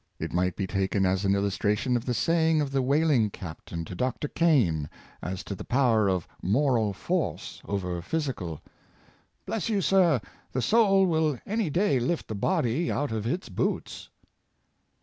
It might be taken as an illustration of the saying of the 504 Life of George Wilson, whaling captain to Dr. Kane, as to the power of moral force over physical: " Bless you, sir, the soul will any day lift the body out of its boots!"